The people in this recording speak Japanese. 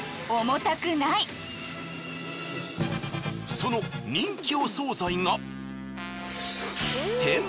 その人気お惣菜が。